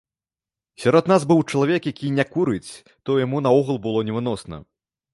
Сярод нас быў чалавек, які не курыць, то яму наогул было невыносна.